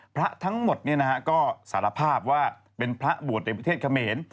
พระทั้งหมดก็สารภาพว่าเป็นพระบวชในประเทศเขมร